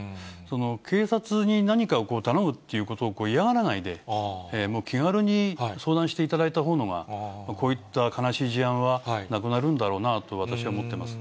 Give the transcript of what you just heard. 警察に何かを頼むということを嫌がらないで、もう気軽に相談していただいたほうのが、こういった悲しい事案はなくなるんだろうなと私は思ってます。